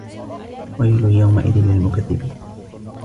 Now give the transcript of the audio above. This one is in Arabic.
ويل يومئذ للمكذبين